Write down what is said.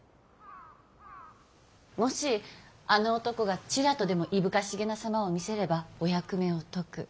もしあの男がチラとでもいぶかしげな様を見せればお役目を解く。